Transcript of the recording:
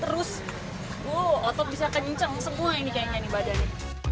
terus otot bisa kenceng semua ini kayaknya nih badannya